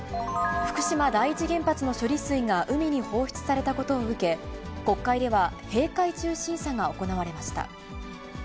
福島第一原発の処理水が海に放出されたことを受け、国会では閉会中審査が行われました。